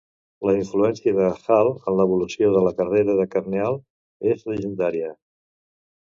La influència de Hall en l'evolució de la carrera de Carneal és llegendària.